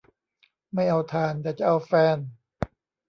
ไม่เอาถ่าน แต่จะเอาแฟน